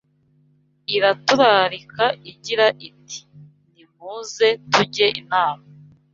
Iraturarika igira iti: Nimuze tujye inama